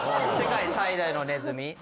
世界最大のネズミ。